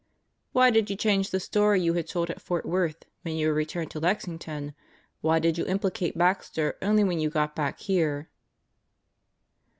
"Why did you change the story you had told at Fort Worth when you were returned to Lexington? Why did you implicate Baxter only when you got back here?"